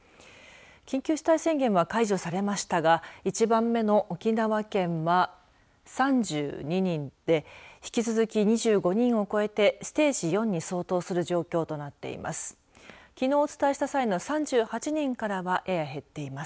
緊急事態宣言は解除されましたが１番目の沖縄県は３２人で引き続き２５人を超えてステージ４に相当する状況となっています。